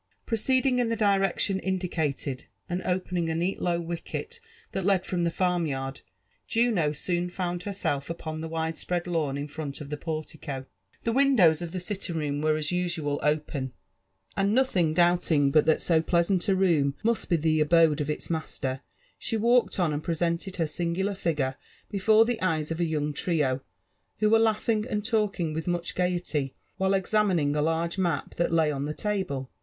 Proceeding in the direction indicated, and opening a neat low wicket that led from the farmyard, Juno soon found herself upon the wide^ spread lawn in front of the portico. The windows of the sitting room >Krere as usual open, and nothing doubling but that so pleasant a room must be the abode of its master, she walked on and presented her singular figure before the eyes of a young trio, who were laughing and talking with much gaiety while examining a large map that lay on the table.